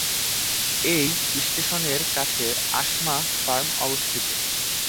এই স্টেশনের কাছে আসমা ফার্ম অবস্থিত।